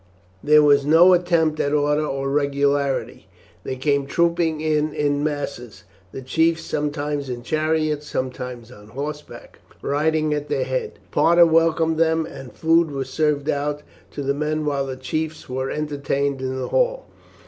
There was no attempt at order or regularity; they came trooping in in masses, the chiefs sometimes in chariots sometimes on horseback, riding at their head. Parta welcomed them, and food was served out to the men while the chiefs were entertained in the hall.